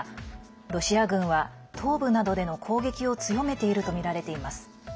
ロシア軍は東部などでの攻撃を強めているとみられています。